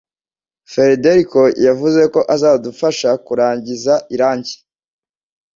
Federico yavuze ko azadufasha kurangiza irangi